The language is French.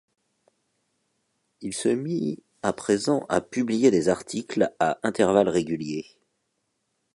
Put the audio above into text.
Il se mit à présent à publier des articles à intervalles réguliers.